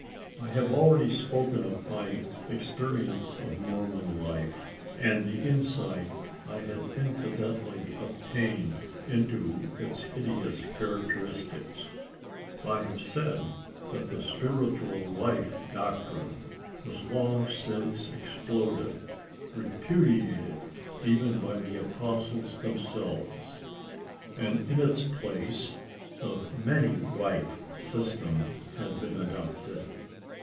I have already spoken of my experience of Mormon life, and the insight I had incidentally obtained into its hideous characteristics. I have said that the spiritual wife doctrine was long since exploded repudiated even by the apostles themselves and in its place the many wife system had been adopted.